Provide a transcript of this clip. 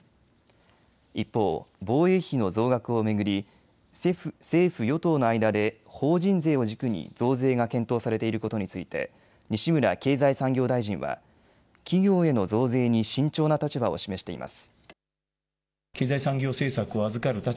一方、防衛費の増額を巡り政府与党の間で法人税を軸に増税が検討されていることについて西村経済産業大臣は企業への増税に慎重な立場を示しています。